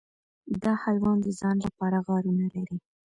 دا حیوان د ځان لپاره غارونه لري.